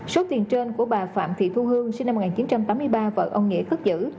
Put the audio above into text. số tiền trên của bà phạm thị thu hương sinh năm một nghìn chín trăm tám mươi ba vợ ông nghĩa cất giữ